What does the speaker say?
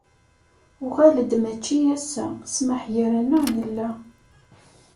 Uɣal-d mačci ass-a, ssmeḥ gar-aneɣ yella.